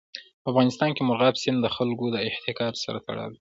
په افغانستان کې مورغاب سیند د خلکو د اعتقاداتو سره تړاو لري.